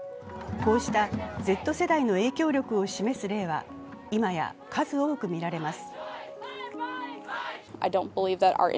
こうしたＺ世代の影響力を示す例は今や数多く見られます。